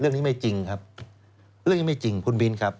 เรื่องนี้ไม่จริงครับเรื่องนี้ไม่จริงคุณบินครับ